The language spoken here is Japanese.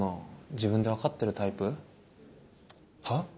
自分で分かってるタイプ？は？